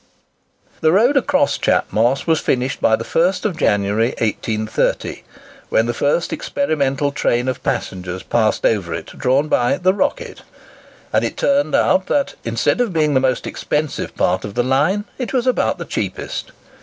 The road across Chat Moss was finished by the 1st January, 1830, when the first experimental train of passengers passed over it, drawn by the "Rocket;" and it turned out that, instead of being the most expensive part of the line, it was about the cheapest.